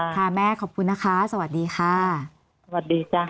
ค่ะแม่ขอบคุณนะคะสวัสดีค่ะสวัสดีจ้ะ